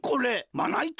まないた？